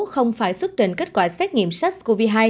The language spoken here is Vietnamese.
không phải xuất trình kết quả xét nghiệm sars cov hai